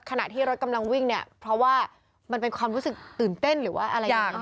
ขณะที่รถกำลังวิ่งเนี่ยเพราะว่ามันเป็นความรู้สึกตื่นเต้นหรือว่าอะไรอย่าง